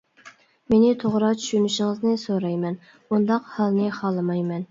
مېنى توغرا چۈشىنىشىڭىزنى سورايمەن، ئۇنداق ھالنى خالىمايمەن.